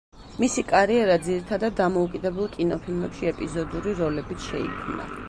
მისი კარიერა ძირითადად დამოუკიდებელ კინოფილმებში ეპიზოდური როლებით შეიქმნა.